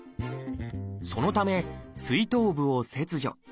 そのためすい頭部を切除。